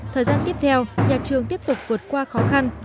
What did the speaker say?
thời gian tiếp theo nhà trường tiếp tục vượt qua khó khăn